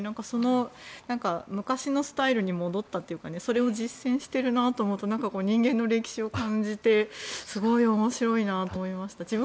その昔のスタイルに戻ったというかそれを実践しているなと思うと人間の歴史を感じてすごい面白いなと思いました。